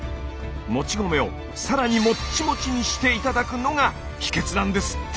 もち米をさらにもっちもちにして頂くのが秘けつなんですって！